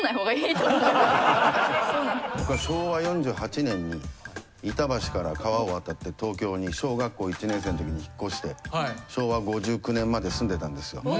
昭和４８年に板橋から川を渡って東京に小学校１年生のときに引っ越して昭和５９年まで住んでたんですよ。